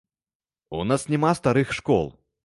У нас няма старых школ.